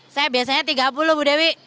saya biasanya tiga puluh bu dewi